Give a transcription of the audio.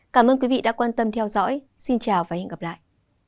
cảm ơn quý vị đã quan tâm theo dõi xin chào và hẹn gặp lại